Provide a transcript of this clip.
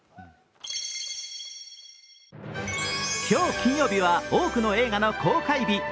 今日金曜日は多くの映画の公開日。